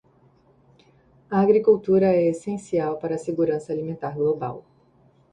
A agricultura é essencial para a segurança alimentar global.